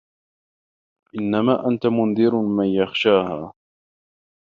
إِنَّما أَنتَ مُنذِرُ مَن يَخشاها